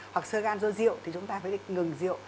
hoặc sơ gan dô rượu thì chúng ta phải ngừng rượu